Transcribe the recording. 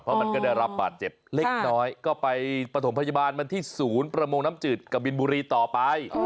เพราะมันก็ได้รับบาดเจ็บเล็กน้อยก็ไปปฐมพยาบาลมันที่ศูนย์ประมงน้ำจืดกะบินบุรีต่อไป